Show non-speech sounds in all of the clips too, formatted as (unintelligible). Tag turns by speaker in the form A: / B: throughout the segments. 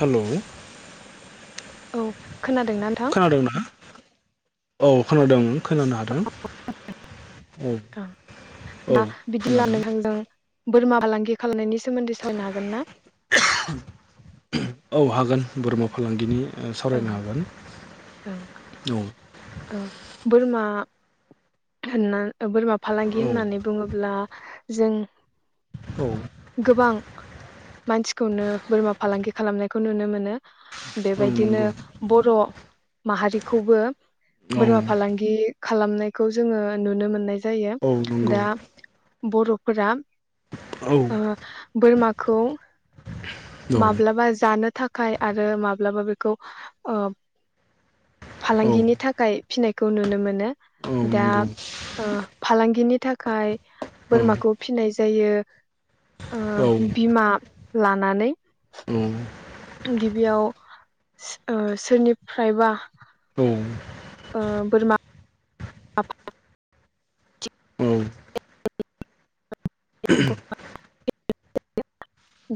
A: हेल'।
B: औ। खोनादोंना नोंथां।
A: औ खोनादों। खोनानो हादों औ
B: ओं दा
A: औ
B: बिदिब्ला
A: खोनादों।
B: नोंथांजों बोरमा फालांगि खालामनायनि सोमोन्दै सावायनो हागोन ना?
A: औ हागोन बोरमा फालांगिनि ओ,
B: ओं
A: सावरायनो हागोन
B: ओ बोरमा होनना बोरमा
A: औ
B: फालांगि होननानै बुङोब्ला जों
A: औ
B: गोबां मानसिखौनो बोरमा फालांगि खालामनायखौ नुनो मोनो बेबाय
A: औ
B: बिदिनो
A: नंगौ
B: बर' माहारिखौबो
A: औ
B: बोरमा फालांगि खालामनायखौ जोङो नुनो मोननाय जायो।
A: औ नंगौ
B: दा बर'फोरा
A: औ
B: (inaudible) बोरमाखौ
A: औ
B: माब्लाबा जानो थाखाय आरो माब्ला (inaudible) खौ
A: औ
B: फालांगिनि थाखाय फिनायखौ नुनो मोनो,
A: औ
B: दा
A: नंगौ
B: ओ फालांगिनि थाखाय
A: औ
B: बोरमाखौ फिनाय जायो, ओ
A: औ
B: बिमा लानानै
A: औ
B: गिबियाव ओ सोरनिफ्रायबा ओ बोरमा (inaudible)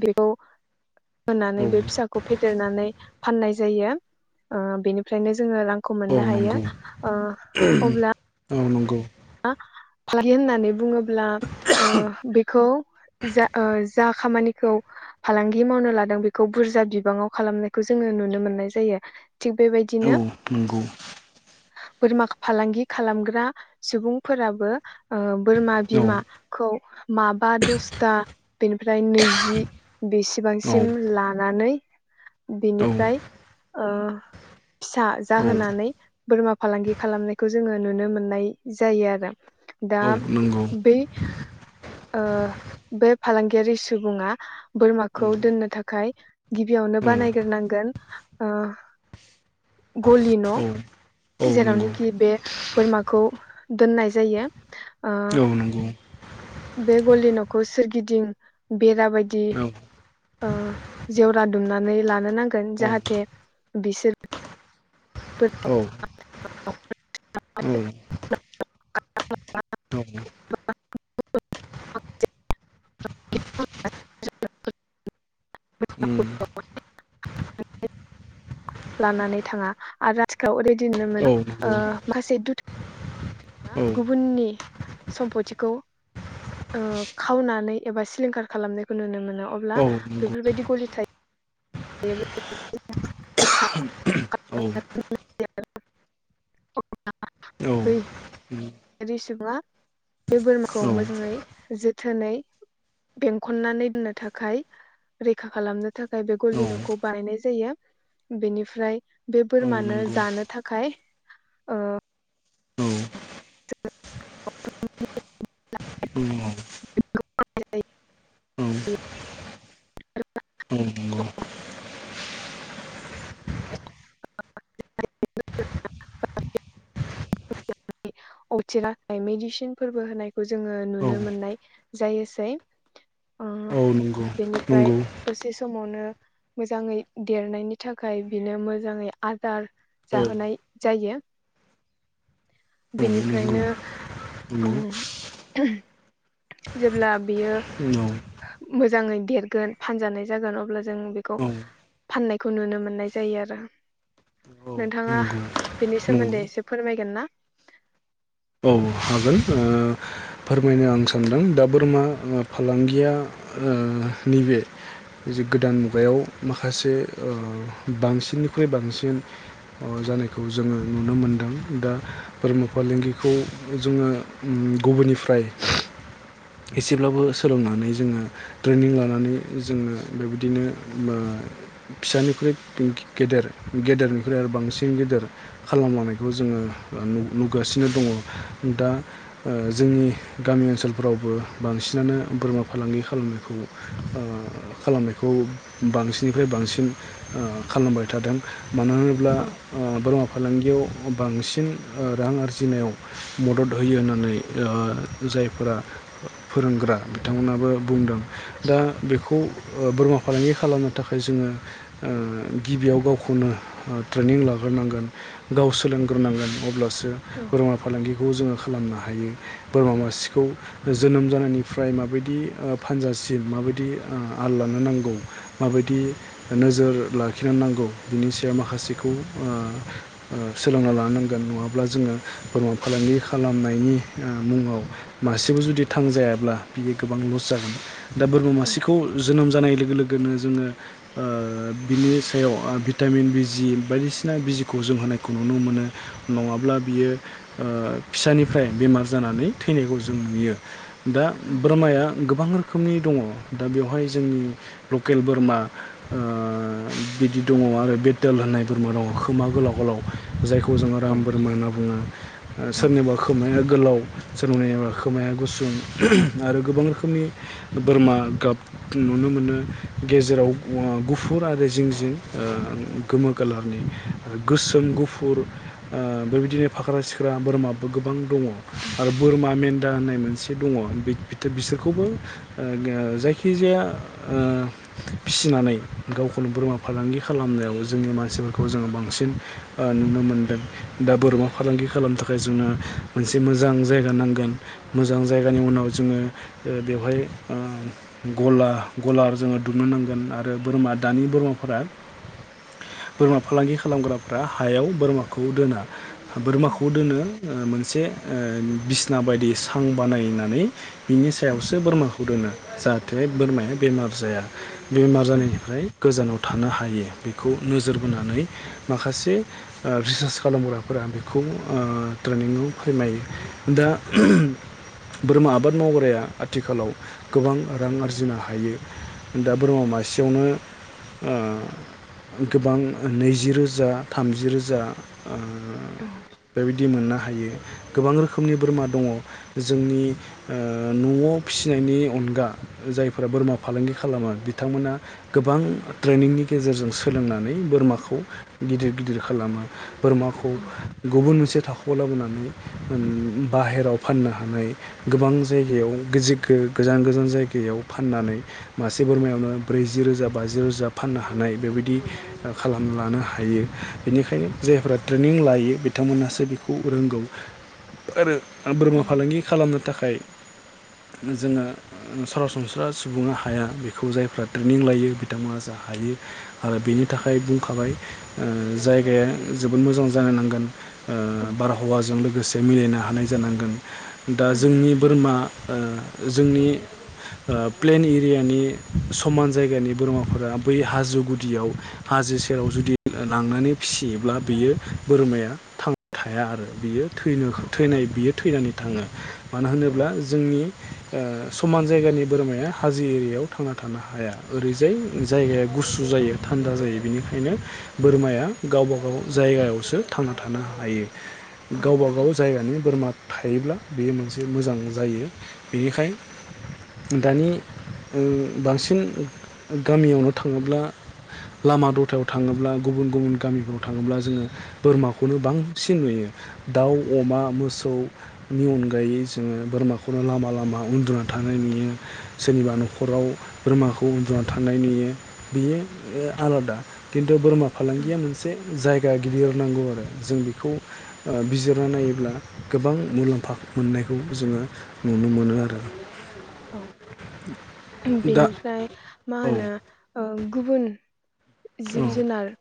B: बेखौ होनानै बे फिसाखौ फेदेरनानै फाननाय जायो। ओ बेनिफ्रायनो जोङो रांखौ
A: औ
B: मोननो
A: नंगौ
B: हायो। ओ अब्ला
A: औ नंगौ
B: फालांगि होननानै बुङोब्ला ओ बेखौ जा ओ जा खामानिखौ फालांगि मावनो लादों बेखौ बुरजा बिबाङाव खालामनायखौ जोङो नुनो मोननाय जायो। थिग
A: औ
B: बेबायदिनो
A: नंगौ
B: बोरमा फालांगि खालामग्रा सुबुंफोराबो ओ बोरमा
A: औ औ
B: बिमाखौ माबा दसथा बेनिफ्राय नैजि
A: औ
B: बेसेबांसिम लानानै
A: औ नंगौ
B: बिनिफ्राय
A: औ
B: ओ फिसा
A: औ
B: जाहोनानै बोरमा फालांगि खालामनायखौ जोङो नुनो मोननाय जायो आरो। दा बै ओ बे फालांगियारि सुबुङा बोरमाखौ दोननो थाखाय गिबियावनो बानायग्रोनांगोन ओ गलि न'
A: औ औ नंगौ
B: जेरावनोखि बे बोरमाखौ दोननाय जायो ओ
A: औ नंगौ
B: बे गलि न'खौ सोरगिदिं बेरा बायदि ओ जेवरा दुमनानै लानो नांगोन।
A: औ
B: जाहाथे बिसोर
A: औ औ औ
B: (inaudible)
A: उम
B: (inaudible) लानानै थाङा आरो आथिखालाव नुनो
A: औ
B: मोनो।
A: नंगौ
B: ओ (unintelligible)
A: औ
B: गुबुननि सम्पथिखौ ओ खावनानै एबा सिलिंखार खालामनायखौ नुनो मोनो अब्ला
A: औ नंगौ
B: बेफोरबायदि गलिथाय
A: औ औ
B: (unintelligible) रि सुबुङा बे बोरमाखौ मोजाङै जोथोनै बेंखननानै दोननो थाखाय रैखा खालामनो थाखाय बे गलि न'खौ बानायनाय जायो। बेनिफ्राय बे
A: औ
B: बोरमानो
A: नंगौ
B: जानो थाखाय
A: औ औ औ नंगौ
B: (inaudible) (inaudible) अथिाय मेडिसिन फोरबो होनायखौ जोङो नुनो
A: औ
B: मोननाय जायोसै ओ
A: औ नंगौ
B: बेनिफ्राय
A: नंगौ
B: दसे समावनो मोजाङै देरनायनि थाखाय बिनो मोजाङै आदार
A: औ
B: जाहोनाय जायो बेनिफ्रायनो
A: नंगौ नंगौ औ
B: उ जेब्ला बियो मोजाङै देरगोन फानजानाय जागोन अब्ला जों बेखौ
A: औ
B: फाननायखौ नुनो मोननाय जायो आरो
A: औ
B: नोंथाङा
A: नंगौ
B: बिनि
A: नंगौ
B: सोमोनदै फोरमायगोन ना
A: औ हागोन ओ फोरमायनो आं सानदों दा बोरमा फालांगिया ओ नैबे जि गोदान मुगायाव माखासे ओ बांसिननिख्रुइ बांसिन अ जानायखौ जोङो नुनो मोनदों दा बोरमा फालांगिखौ बे खौ जोङो गुबुननिफ्राय एसेब्लाबो सोलोंनानै जोङो ट्रेनिं लानानै जोङो बेबायदिनो बा फिसानिख्रुइ गेदेर गेदेरनिख्रुइ आरो बांसिन गेदेर खालामलांनायखौ जोङो ओ नुगासिनो नो दङ दा ओ जोंनि गामि ओनसोलफोरावबो बांसिनानो बोरमा फालांगि खालामनायखौ ओ खालामनायखौ बांसिननिफ्राय बांसिन ओ खालामबाय थादों मानो होनोब्ला
B: औ
A: ओ बोरमा फालांगियाव बांसिन रां ओ आरजि जिनायाव मदद होयो होननानै ओ जायफोरा फोरोंग्रा बिथांमोनाबो बुंदों दा बेखौ बोरमा फालांगि खालामनो थाखाय जोङो ओ गिबियाव गावखौनो ओ ट्रेनिं लाग्रोनांगोन गाव सोलोंग्रोनांगोन अब्लासो
B: औ
A: बोरमा फालांगिखौ जोङो खालामनो हायो बोरमा मासेखौ जोनोम जानायनिफ्राय माबायदि ओ फानजासिन माबायदि ओ आल लानो नांगौ माबायदि नोजोर लाखिनो नांगौ बिनि सायाव माखासेखौ ओ ओ सोलोंना लानो नांगोन नङाब्ला जोङो बोरमा फालांगि खालामनायनि ओ मुङाव मासेबो जुदि थांजायाब्ला बियो गोबां लस जागोन दा बोरमा
B: औ
A: मासेखौ जोनोम जानाय लोगो लोगो लोगोनो जोङो ओ बिनि सायाव भिटामिन बिजि बायदिसिना बिजिखौ जों होनायखौ नुनो मोनो नङाब्ला बियो ओ फिसानिफ्राय बेमार जानानै थैनायखौ जों नुयो दा
B: औ
A: बोरमाया गोबां रोखोम रोखोमनि दङ दा बेवहाय जोंनि लकेल बोरमा ओ बिदि दङ आरो बेटेल होननाय बोरमा दं खोमा गोलाव गोलाव जायखौ जोङो
B: औ
A: राम बोरमा होनना बुङो
B: औ ओं
A: सोरनिबा खोमाया गोलाव सोराव खोमाया गुसुं आरो गोबां रोखोमनि बोरमा गाब नुनो मोनो गेजेराव गुफुर आरो जिं जिं ओ गोमो खालारनि गोसोम गुफुर ओ बेबायदिनो फाख्रा सिख्रा बोरमाबो गोबां दङ आरो बोरमा मेन दा होननाय मोनसे दङ बिसोरखौबो ओ जायखिजाया ओ फिसिनानै गावखौनो बोरमा फालांगि खालामनायाव जोंनि मानसिफोरखौ जोङो बांसिन ओ नुनो मोनदों दा बोरमा फालांगि खालामनो थाखाय जोंनो मोनसे मोजां जायगा नांगोन मोजां जायगानि उनाव जोङो बेवहाय ओ गला गलार जोङो दुमनो नांगोन आरो बोरमा दानि बोरमाफोरा बोरमा फालांगि खालामग्राफ्रा हायाव बोरमाखौ दोना
B: औ
A: बोरमाखौ दोनो ओ मोनसे ओ बिसना बायदि सां बानायनानै बिनि
B: ओं
A: सायावसो बोरमाखौ दोनो जाहाथे बोरमाया बेमार जाया बेमार
B: औ
A: जानायनिफ्राय गोजानाव थानो हायो बेखौ नोजोर बोनानै माखासे रिसार्च खालामग्रा फोरा बेखौ ओ ट्रेनियाव फोरमायो दा बोरमा आबाद मावग्राया आथिखालाव गोबां रां आरजिनो हायो दा बोरमा मासेयावनो ओ गोबां नैजि रोजा थामजि रोजा ओ
B: औ
A: बेबायदि मोना हायो गोबां रोखोमनि बोरमा दङ जोंनि ओ नआव फिसिनायनि अनगा जायफोरा बोरमा फालांगि खालामो बिथांमोना गोबां ट्रेनिंनि गेजेरजों सोलोंनानै बोरमाखौ गिदिर गिदिर खालामो बोरमा खौ गुबुन मोनसे थाखो खौ लाबोनानै बाहेराव फाननो हानाय गोबां जायगायाव गोजान गोजान जायगायाव फाननानै मासे बोरमायावनो ब्रैजि रोजा बाजि रोजा फाननो हानाय बेबायदि खालामना लानो हायो बेनिखायनो जायफ्रा ट्रेनिं लायो बिथांमोनहासो बेखौ रोंगौ आरो। बोरमा
B: ओं
A: फालांगि खालामनो थाखाय जोङो सरासनस्रा सुबुङा हाया बेखौ जायफ्रा ट्रेनिं लायो बिथांमोनासो हायो आरो बेनि थाखाय बुंखाबाय जायगाया। जोबोद मोजां जानो नांगोन। बारहावाजों लोगोसे जों लोगोसे मिलायनो हानाय जानांगोन। दा
B: औ
A: जोंनि बोरमा ओ जोंनि प्लेन एरियानि समान जायगानि बोरमाफोरा बै हाजो गुदियाव हाजो सेराव जुदि लांनानै फिसियोब्ला बियो बोरमाया थांना थाया आरो बियो। थैनो थैनाय बियो थैनानै थाङो मानो होनोब्ला जोंनि समान जायगानि बोरमाया हाजो एरियायाव थांना थानो हाया ओरैजाय जायगाया गुसु जायो थान्दा जायो बेनिखायनो बोरमाया गावबा गाव जायगायावसो थांना थानो हायो।
B: औ ओं
A: गावबा गाव जायगानि बोरमा थायोब्ला बेयो मोनसे मोजां जायो बेनिखाय दानि ओ बांसिन गामियावनो थाङोब्ला लामा दथायाव थाङोब्ला गुबुन गुबुन गामिफ्राव थाङोब्ला जोङो बोरमाखौनो बांसिन नुयो दाउ अमा मोसौनि अनगायै जोङो बोरमाखौनो लामा लामा उन्दुनानै थानाय नुयो सोरनिबा न'खराव बोरमाखौ उन्दुनानै थानाय नुयो बेयो ओ आलादा बोरमा
B: ओं
A: फालांगिया मोनसे जायगा गिदिर नांगौ आरो जों बेखौ ओ बिजिरना नायोब्ला गोबां मुलाम्फा मोननायखौ जोङो नुनो मोनो आरो।
B: औ
A: दा
B: बेनिफ्राय मा
A: औ
B: होनो ओ गुबुन
A: औ
B: जिब जुनार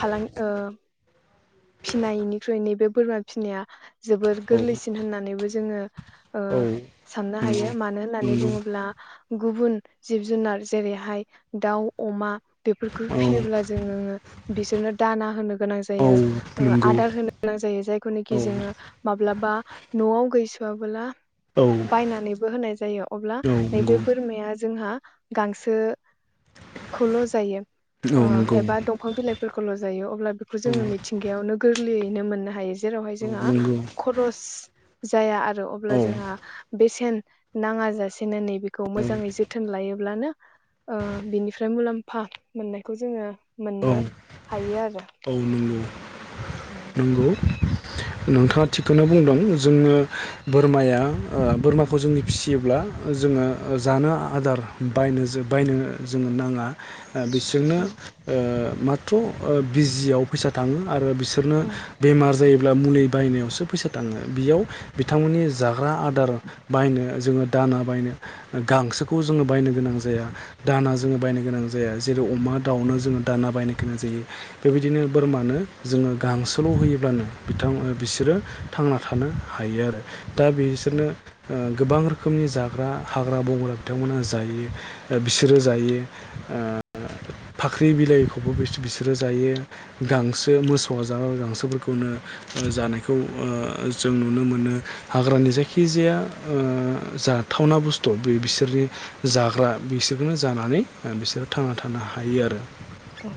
B: फालां ओ फिनायनिख्रुइ नैबे बोरमा फिसिनाया जोबोर
A: औ
B: गोरलैसिन होननानैबो जों जोङो ओ
A: औ
B: साननो हायो मानो होननानै बुङोब्ला गुबुन जिब जुनार जेरैहाय दाउ अमा बेफोरखौ फियोब्ला जोङो बिसोरनो दाना होनो गोनां जायो।
A: नंगौ
B: ओ आदार होन गोनां जायो जायखौनो‌
A: औ
B: जोङो माब माब्लाबा न'आव गैस'आबला
A: औ
B: बायनानैबो होनाय जायो अब्ला नैबे
A: नंगौ
B: बोरमाया जोंहा गांसो खौल' जायो
A: औ नंगौ औ
B: ओ
A: नंगौ
B: एबा दंफां बिलाइ ल' जायो अब्ला बेखौ
A: औ
B: जोङो मिथि गोरलैयैनो मोननो हायो जेरावहाय जोंहा
A: नंगौ
B: खरस जाया आरो
A: औ नंगौ
B: अब्ला
A: औ
B: जोंहा बेसेन नाङा जासेनो नै बेखौ मोजाङै जोथोन लायो अब्लानो ओ बिनिफ्राय मुलाम्फा मोननायखौ जोङो
A: औ नंगौ औ
B: मोननो हायो आरो
A: औ नंगौ
B: औ
A: नंगौ नोंथाङा थिगखौनो बुंदों जोङो बोरमाया ओ बोरमाखौ जोंनि फिसियोब्ला जोङो जानो आदार बायनो बायनो जोङो नाङा ओ बिसोरनो
B: औ
A: ओ माथ्र' बिजियाव फैसा थाङो आरो बिसोरनो
B: औ
A: बेमार जायोब्ला मुलि बायनायावसो फैसा थाङो बेयाव बिथांमोननि जाग्रा आदार बायनो जोङो दाना बायनो गांसोखौ जोङो बायनो गोनां जाया दाना जोङो बायनो गोनां जाया जेरै अमा दाउनो ज जोङो दाना बायनो गोनां जायो बेबायदिनो बोरमानो जोङो गांसोल' होयोब्लानो बिथां बिसोरो थांना थानो हायो आरो दा बिसोरनो ओ गोबां रोखोमनि जाग्रा हाग्रा बंग्रा बिथांमोना जायो ओ बिसोरो जायो ओ फा ख्रि बिलाइखौबो बिसोरो जायो गांसो मोसौआ जाग्रा गांसोफोरखौनो ओ जानायखौ ओ जों नुनो मोनो हाग्रानि जायखिजाया ओ जाथावना बुस्थु बे बिसोरनि जाग्रा बिसोरखौनो जानानै बिसोरो थांना थानो हायो आरो
B: औ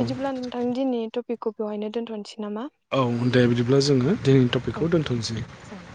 A: औ
B: बिदिब्ला नोंथांनि दिनै टपिक खौ बेवहाय दोनथ'नोसै नामा
A: औ दे बिदिब्ला जोङो दिनैनि
B: औ
A: टपिकखौ दोनथ'सै (inaudible)
B: जागोन